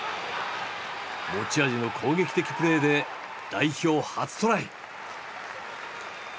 持ち味の攻撃的プレーで代表初トライ。